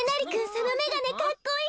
そのめがねかっこいい。